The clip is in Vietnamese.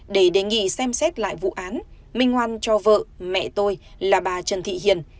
để đề nghị xem xét lại vụ án minh hoan cho vợ mẹ tôi là bà trần thị hiền